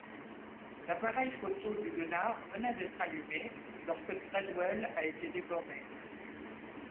L'appareil photo d'Huguenard venait d'être allumé lorsque Treadwell a été dévoré.